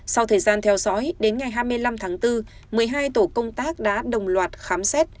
sau thời gian theo dõi đến ngày hai mươi năm tháng bốn một mươi hai tổ công tác đã đồng loạt khám xét